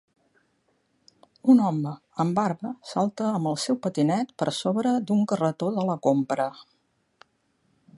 Un home amb barba salta amb el seu patinet per sobre d'un carretó de la compra.